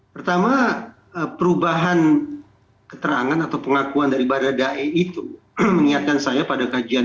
pertama perubahan keterangan atau pengakuan dari baradae itu mengingatkan saya pada kajian